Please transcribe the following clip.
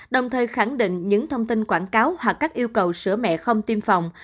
đồng thời khẳng định những thông tin quảng cáo hoặc các yêu cầu sữa mẹ không tiêm phòng